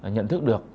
nhận thức được